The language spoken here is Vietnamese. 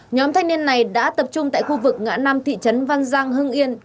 nhóm thanh niên này đã tập trung tại khu vực ngã năm thị trấn văn giang hưng yên